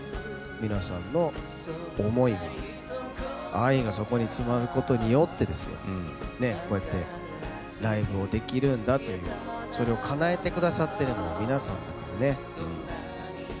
皆さんの思いが、愛がそこに詰まることによってですよね、こうやってライブをできるんだという、それをかなえてくださっているのは皆さんだからね。